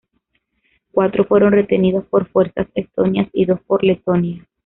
Cuatro fueron retenidos por fuerzas estonias y dos por Letonia.